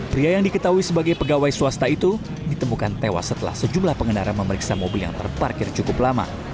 pria yang diketahui sebagai pegawai swasta itu ditemukan tewas setelah sejumlah pengendara memeriksa mobil yang terparkir cukup lama